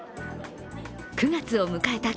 ９月を迎えた